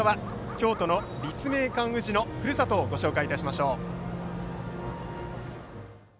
京都の立命館宇治のふるさとをご紹介いたしましょう。